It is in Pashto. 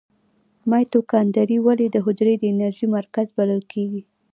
مایتوکاندري ولې د حجرې د انرژۍ مرکز بلل کیږي؟